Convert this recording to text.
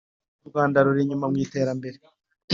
U Rwanda ruri inyuma mw’iterambere